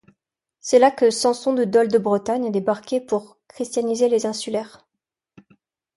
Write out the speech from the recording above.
C’est là que Samson de Dol-de-Bretagne a débarqué pour christianiser les insulaires.